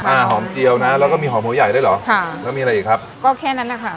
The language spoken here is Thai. อ่าหอมเจียวนะแล้วก็มีหอมหัวใหญ่ด้วยเหรอค่ะแล้วมีอะไรอีกครับก็แค่นั้นนะคะ